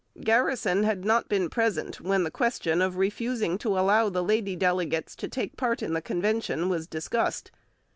Garrison had not been present when the question of refusing to allow the lady delegates to take part in the Convention was discussed.